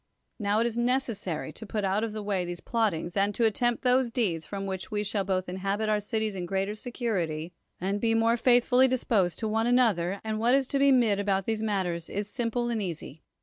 Now it is necessary to put out of the way these plottings and to attempt those deeds from which we shall both inhabit our cities in greater secur ity, and be more faithfully disposed to one an other, and what is to be said about these matters is simple and easy.